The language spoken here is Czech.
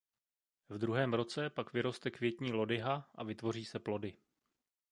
V druhém roce pak vyroste květní lodyha a vytvoří se plody.